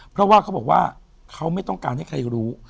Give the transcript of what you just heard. เพราะว่าเขาบอกว่าเขาไม่ต้องการให้ใครรู้